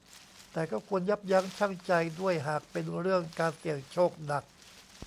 แต่ก็ควรยับยั้งชั่งใจด้วยหากเป็นเรื่องการเสี่ยงโชคหนัก